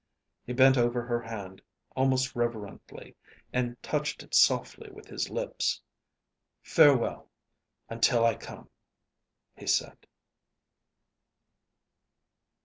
He bent over her hand almost reverently and touched it softly with his lips. "Farewell until I come," he said.